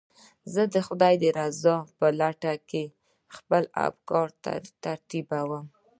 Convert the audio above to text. زه د خدای د رضا په لټه کې خپل افکار ترتیبوم.